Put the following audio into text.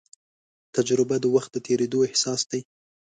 تجربه د وخت د تېرېدو احساس دی.